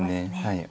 はい。